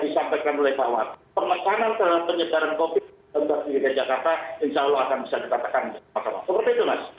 seperti itu mas